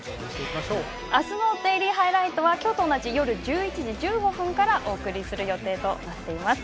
明日の「デイリーハイライト」は今日と同じ夜１１時１５分からお送りする予定となっています。